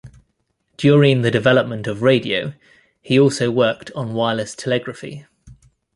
During the development of radio, he also worked on wireless telegraphy.